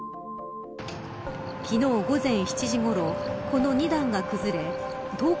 昨日、午前７時ごろこの２段が崩れ登校